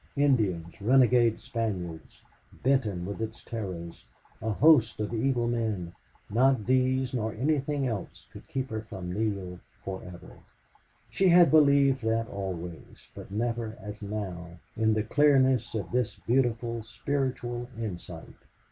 Indians, renegade Spaniards, Benton with its terrors, a host of EVIL men, not these nor anything else could keep her from Neale forever. She had believed that always, but never as now, in the clearness of this beautiful spiritual insight.